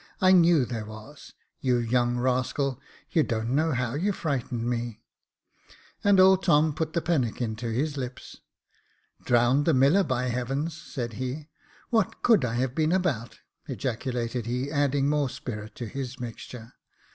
I knew there was. You young rascal, you don't know how you frightened me !" And old Tom put the pannikin to his lips. "Drowned the miller, by heavens !" said he. "What could I have been about ?" ejaculated he, adding more spirit to his mixture.